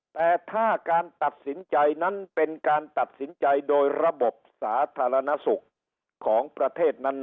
แต่ถ้าการตัดสินใจนั้นเป็นการตัดสินใจโดยระบบสาธารณสุขของประเทศนั้น